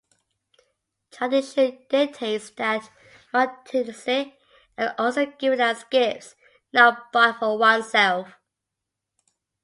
Tradition dictates that Martenitsi are always given as gifts, not bought for oneself.